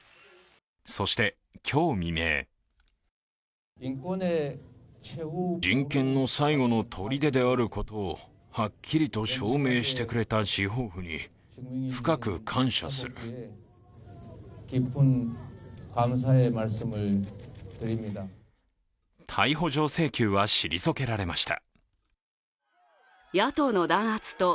そして、今日未明逮捕状請求は退けられました。